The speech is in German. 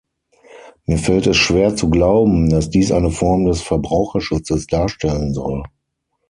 Mir fällt es schwer zu glauben, dass dies eine Form des Verbraucherschutzes darstellen soll.